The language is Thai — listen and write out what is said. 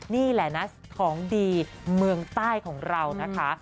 นี่แหละนะของดีเมืองใต้ของเรานะคะ